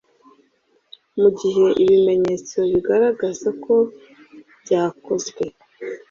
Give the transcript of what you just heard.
mu gihe ibimenyetso bigaragaza ko byakozwe